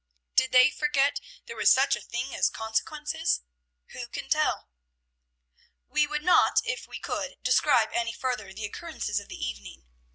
Did they forget there was such a thing as consequences? Who can tell? We would not if we could describe any further the occurrences of the evening.